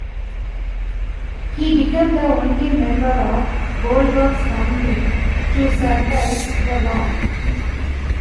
He became the only member of Goldberg's family to survive the war.